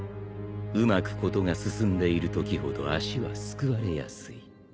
うまく事が進んでいるときほど足はすくわれやすい。